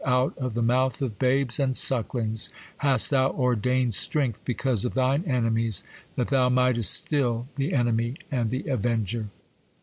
"Out of the mouth of babes and sucklings hast thou ordained strength because of thine enemies, that thou mightest still the enemy and the avenger."